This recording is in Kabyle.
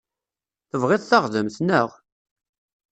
Tebɣiḍ taɣdemt, naɣ?